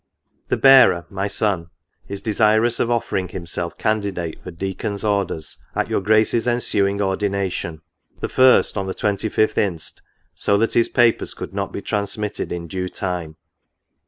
" The bearer (my son) is desirous of offering himself candi date for deacon's orders, at your Grace's ensuing ordination ; the first, on the 25th inst. so that his papers could not be transmitted in due time.